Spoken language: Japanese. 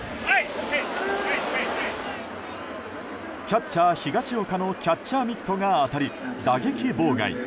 キャッチャー、ヒガシオカのキャッチャーミットが当たり打撃妨害。